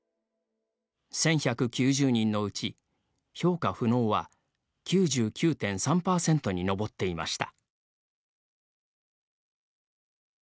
１１９０人のうち、評価不能は９９．３％に上っていました。